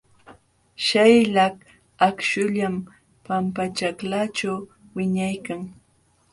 Śhalyaq akśhullam pampaćhaklaaćhu wiñaykan.